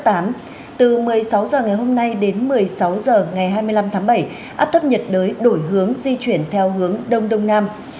từ một mươi sáu h ngày hôm nay đến một mươi sáu h ngày hai mươi năm tháng bảy áp thấp nhiệt đới đổi hướng di chuyển theo hướng đông đông nam